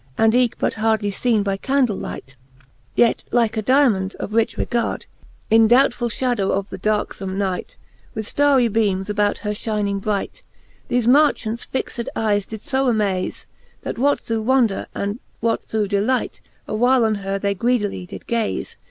And eke but hardly feene by candle light, Yet like a diamond of rich regard, In doubtful! fhadow of the darkefome night. With ftarrie beames about her fhining bright, Thefe marchants fixed eyes did fo amaze. That what through wonder, and what through delight, A while on her they greedily did gaze.